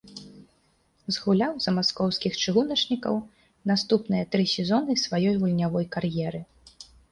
Згуляў за маскоўскіх чыгуначнікаў наступныя тры сезоны сваёй гульнявой кар'еры.